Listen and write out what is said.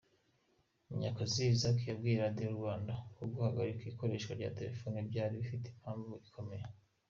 Munyakazi Isaac, yabwiye Radiyo Rwanda ko guhagarika ikoreshwa rya telefoni byari bifite impamvu ikomeye.